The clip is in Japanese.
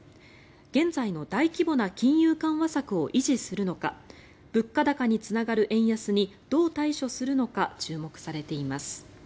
現在の大規模な金融緩和策を維持するのか物価高につながる円安にどう対処するのか注目されています。